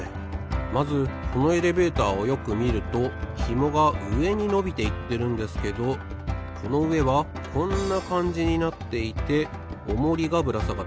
まずこのエレベーターをよくみるとひもがうえにのびていってるんですけどこのうえはこんなかんじになっていてオモリがぶらさがってます。